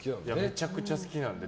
めちゃくちゃ好きなので。